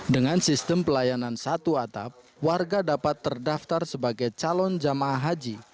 dengan sistem pelayanan satu atap warga dapat terdaftar sebagai calon jamaah haji